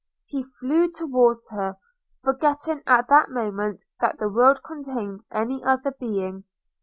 He flew towards her, forgetting, at that moment, that the world contained any other being.